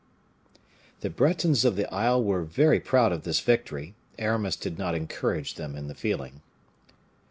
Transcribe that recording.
The Bretons of the Isle were very proud of this victory; Aramis did not encourage them in the feeling.